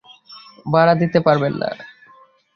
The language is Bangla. ভাড়া দিতে পারবেন না।